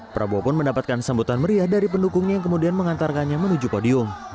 prabowo pun mendapatkan sambutan meriah dari pendukungnya yang kemudian mengantarkannya menuju podium